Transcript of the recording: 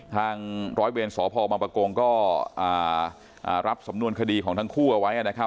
ทางร้อยเวรสพบังปะกงก็รับสำนวนคดีของทั้งคู่เอาไว้นะครับ